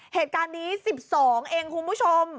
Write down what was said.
เหตุการณ์นี้๑๒เองคุณผู้ชม